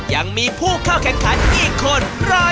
ยังมีผู้เข้าแข่งขันอีกคน